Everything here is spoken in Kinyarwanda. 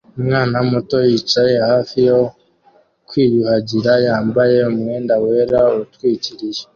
Umwana muto yicaye hafi yo kwiyuhagira yambaye umwenda wera utwikiriye